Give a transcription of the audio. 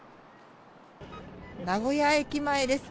名古屋駅前です。